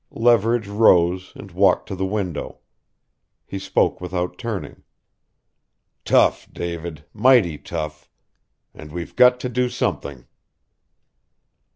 Leverage rose and walked to the window. He spoke without turning, "Tough David; mighty tough. And we've got to do something."